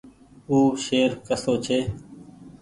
او شهر ڪسو ڇي۔